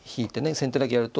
先手だけやると。